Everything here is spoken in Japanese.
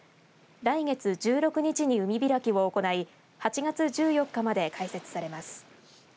来月１６日に、海開きを行い８月１４日まで開設されます。